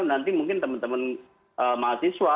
nanti mungkin teman teman mahasiswa